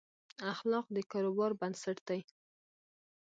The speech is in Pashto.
اخلاق د کاروبار بنسټ دي.